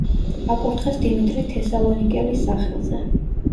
აკურთხეს დიმიტრი თესალონიკელის სახელზე.